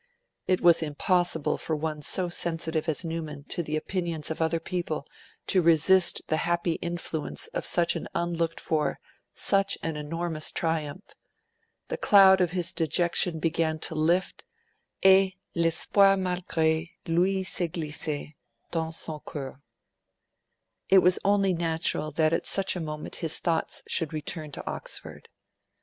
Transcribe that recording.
It was impossible for one so sensitive as Newman to the opinions of other people to resist the happy influence of such an unlooked for, such an enormous triumph. The cloud of his dejection began to lift; et l'espoir malgre lui s'est glisse dans son coeur. It was only natural that at such a moment his thoughts should return to Oxford.